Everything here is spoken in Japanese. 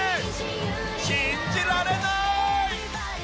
信じられなーい！